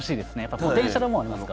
ポテンシャルはありますから。